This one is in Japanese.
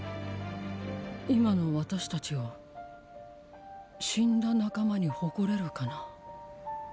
今の私たちを死んだ仲間に誇れるかな。